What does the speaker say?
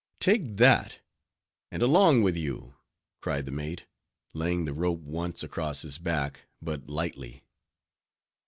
"Take that, and along with you," cried the mate, laying the rope once across his back, but lightly.